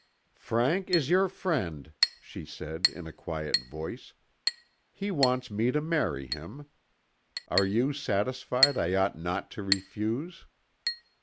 "Frank is your friend," she said in a quiet voice. "He wants me to marry him. Are you satisfied I ought not to refuse?"